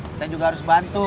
kita juga harus bantu